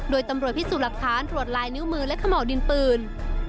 โดยตำรวจพิสูจน์หลักฐานตรวจลายนิ้วมือและขม่าวดินปืน